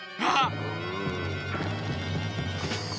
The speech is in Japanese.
あっ！